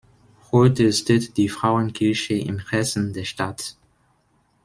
Heute steht die Frauenkirche im Herzen der Stadt.